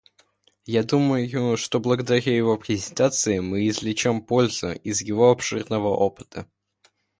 Я думаю, что благодаря его презентации мы извлечем пользу из его обширного опыта.